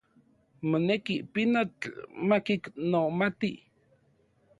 Moneki, pinotl makiknomati.